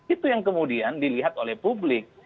itu yang kemudian dilihat oleh publik